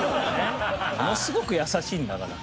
ものすごく優しいんだから。